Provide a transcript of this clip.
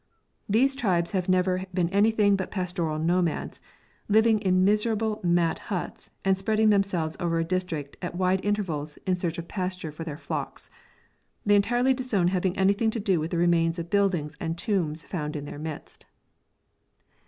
These tribes have never been anything but pastoral nomads, living in miserable mat huts, and spreading themselves over the district at wide intervals in search of pasture for their flocks. They entirely disown having anything to do with the remains of buildings and tombs found in their midst.